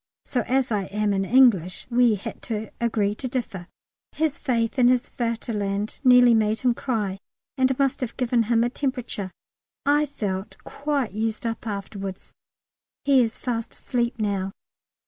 So as I am an English we had to agree to differ. His faith in his Vaterland nearly made him cry and must have given him a temperature. I felt quite used up afterwards. He is fast asleep now.